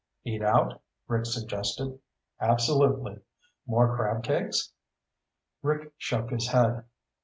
"Eat out?" Rick suggested. "Absolutely. More crab cakes?" Rick shook his head.